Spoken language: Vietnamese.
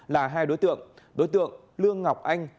là hai đối tượng đối tượng lương ngọc anh